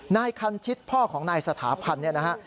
นายคันชิตพ่อของนายสถาพันธ์เนี่ยนะฮะ